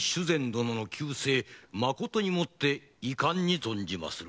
殿の急逝まことにもって遺憾に存じます。